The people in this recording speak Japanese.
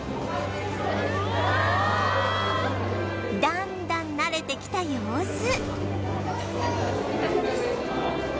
だんだん慣れてきた様子